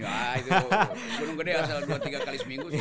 ya itu gunung gede asal dua tiga kali seminggu sih